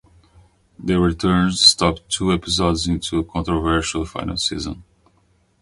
The reruns stopped two episodes into the controversial final season.